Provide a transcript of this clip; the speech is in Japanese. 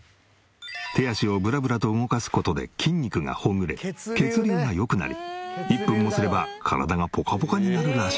手足をブラブラと動かす事で筋肉がほぐれ血流が良くなり１分もすれば体がポカポカになるらしい。